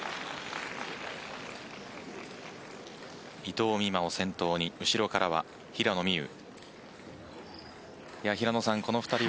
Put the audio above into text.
伊藤美誠を先頭に後ろからは平野美宇。